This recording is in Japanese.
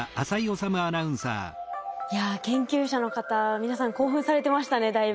いや研究者の方皆さん興奮されてましたねだいぶ。